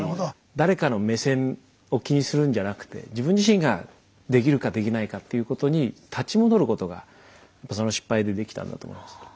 誰かの目線を気にするんじゃなくて自分自身ができるかできないかっていうことに立ち戻ることがその失敗でできたんだと思います。